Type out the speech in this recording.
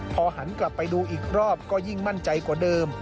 พอหันกลับไปดูอีกรอบก็ยิ่งมั่นใจกว่าเดิม